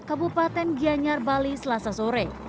kabupaten gianyar bali selasa sore